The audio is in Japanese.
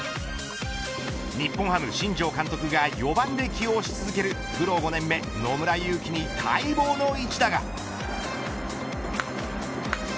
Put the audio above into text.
日本ハム、新庄監督が４番で起用し続けるプロ５年目野村佑希に、待望の一打が。